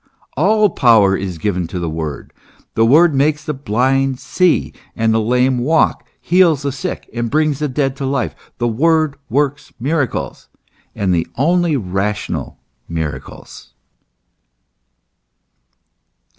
All power is given to the word : the word makes the blind see and the lame walk, heals the sick, and brings the dead to life; the word works miracles, and the only rational miracles.